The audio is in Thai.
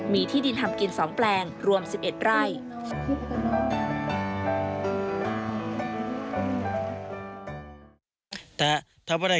มีที่ดินทำกิน๒แปลงรวม๑๑ไร่